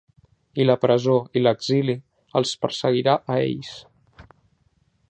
I la presó i l’exili els perseguirà a ells.